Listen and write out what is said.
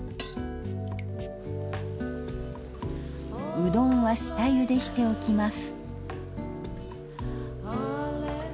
うどんは下ゆでしておきます。